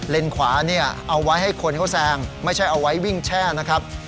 ขวาเนี่ยเอาไว้ให้คนเขาแซงไม่ใช่เอาไว้วิ่งแช่นะครับ